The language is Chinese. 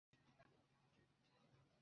阿古利可拉。